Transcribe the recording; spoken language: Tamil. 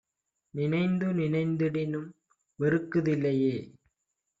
நினைந்து நினைந்திடினும் வெறுக்குதிலையே